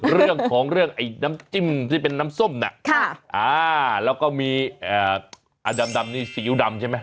เรื่องของเรื่องไอ้น้ำจิ้มที่เป็นน้ำส้มน่ะแล้วก็มีดำนี่ซีอิ๊วดำใช่ไหม